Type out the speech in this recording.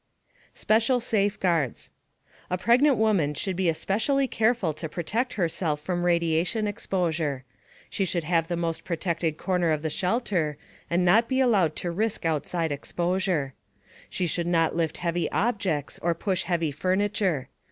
SPECIAL SAFEGUARDS A pregnant woman should be especially careful to protect herself from radiation exposure. She should have the most protected corner of the shelter and not be allowed to risk outside exposure. She should not lift heavy objects or push heavy furniture.